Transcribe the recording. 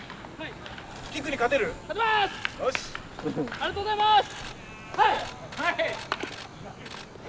ありがとうございます！